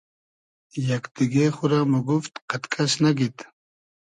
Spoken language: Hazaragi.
یئگ دیگې خورۂ موگوفت قئد کئس نئگید